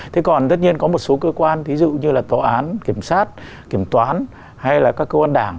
thế còn tất nhiên có một số cơ quan ví dụ như là tòa án kiểm soát kiểm toán hay là các cơ quan đảng